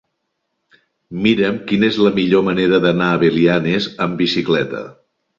Mira'm quina és la millor manera d'anar a Belianes amb bicicleta.